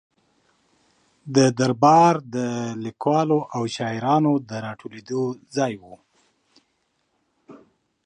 د ده دربار د لیکوالو او شاعرانو د را ټولېدو ځای و.